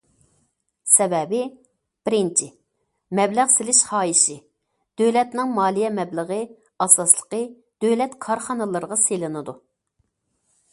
سەۋەبى، بىرىنچى، مەبلەغ سېلىش خاھىشى، دۆلەتنىڭ مالىيە مەبلىغى، ئاساسلىقى، دۆلەت كارخانىلىرىغا سېلىنىدۇ.